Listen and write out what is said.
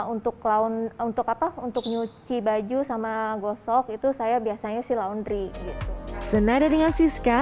untuk laun untuk apa untuk nyuci baju sama gosok itu saya biasanya sih laundry gitu senada dengan siska